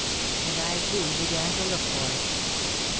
And I too began to look for it.